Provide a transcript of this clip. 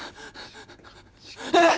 えっ？